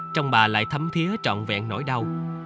trong bà lại thấm thiế trọn vẹn nỗi đau